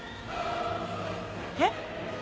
えっ？